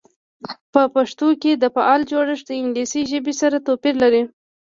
په پښتو کې د فعل جوړښت د انګلیسي ژبې سره توپیر لري.